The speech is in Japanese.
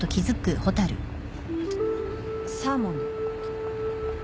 サーモンで。